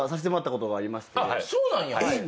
あっそうなんや！